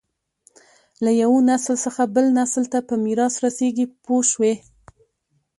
له یوه نسل څخه بل ته په میراث رسېږي پوه شوې!.